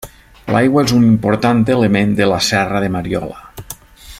L'aigua és un important element de la serra de Mariola.